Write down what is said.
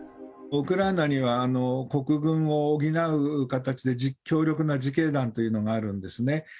ウクライナには、国軍を補う形で強力な自警団というのがあるんですね。